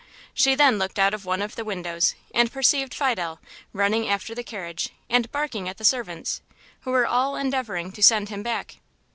She then looked out of one of the windows, and perceived Fidel, running after the carriage, and barking at the servants, who were all endeavouring to send him back.